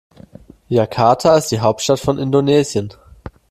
Jakarta ist die Hauptstadt von Indonesien.